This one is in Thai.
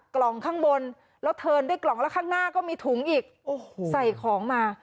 กล่องข้างบนแล้วเทินด้วยกล่องแล้วข้างหน้าก็มีถุงอีกโอ้โหใส่ของมา